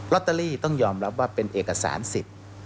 ตเตอรี่ต้องยอมรับว่าเป็นเอกสารสิทธิ์